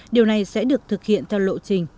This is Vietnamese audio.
điều này sẽ được thực hiện theo lộ trình